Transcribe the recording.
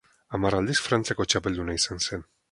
Hamar aldiz Frantziako txapelduna izan zen.